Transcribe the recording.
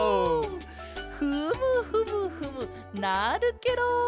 フムフムフムなるケロ！